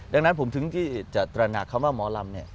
ดังนั้นผมถึงที่จะตระหนักคำว่าหมอลำเนี่ย